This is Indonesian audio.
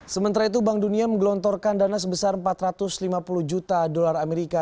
sementara itu bank dunia menggelontorkan dana sebesar empat ratus lima puluh juta dolar amerika